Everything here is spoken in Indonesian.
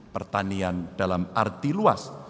pertanian dalam arti luas